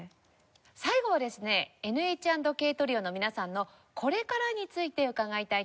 最後はですねＮＨ＆ＫＴＲＩＯの皆さんのこれからについて伺いたいと思います。